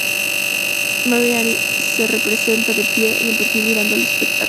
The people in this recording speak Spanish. Marie-Anne se representa de pie y en perfil mirando al espectador.